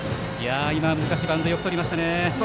今、難しいバウンドでしたがよくとりましたね。